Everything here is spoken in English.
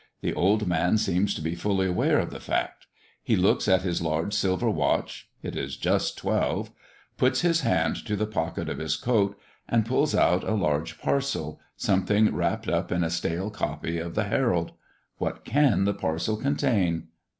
The old man seems to be fully aware of the fact. He looks at his large silver watch it is just twelve puts his hand to the pocket of his coat, and pulls out a large parcel, something wrapped up in a stale copy of the Herald. What can the parcel contain?